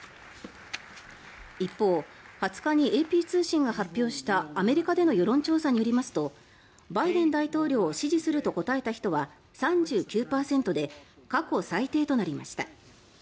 一方２０日にＡＰ通信が発表したアメリカでの世論調査によりますとバイデン大統領を支持すると答えた人は３９％で過去最低となりました。